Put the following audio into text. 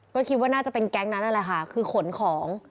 ก็คิดว่าน่าจะเป็นแก๊งนั้นนั่นแหละค่ะคือขนของ